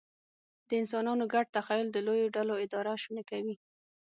د انسانانو ګډ تخیل د لویو ډلو اداره شونې کوي.